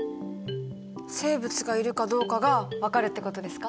生物がいるかどうかが分かるってことですか？